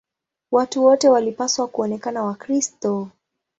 Watu wote walipaswa kuonekana Wakristo.